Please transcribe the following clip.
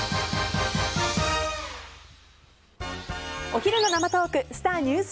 お昼の生トークスター☆